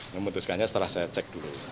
memutuskannya setelah saya cek dulu